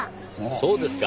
そうですか。